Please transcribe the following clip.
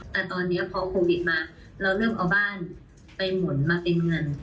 แต่ตอนนี้พอโควิดมาเราเริ่มเอาบ้านไปหมุนมาเป็นเงิน